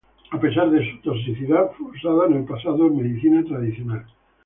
A pesar de su toxicidad fue usada en el pasado en medicina tradicional.